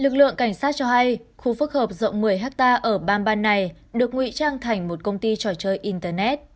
lực lượng cảnh sát cho hay khu phức hợp rộng một mươi hectare ở bam ban này được nguy trang thành một công ty trò chơi internet